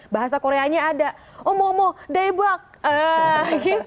bahasa koreanya ada omomodebak eehh gitu